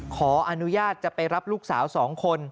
ขออนุญาตจะไปรับลูกสาว๒คน